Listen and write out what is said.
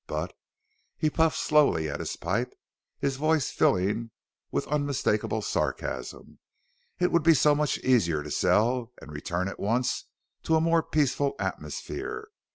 But" He puffed slowly at his pipe, his voice filling with unmistakable sarcasm "it would be so much easier to sell and return at once to a more peaceful atmosphere.